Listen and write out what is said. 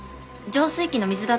浄水器の水を？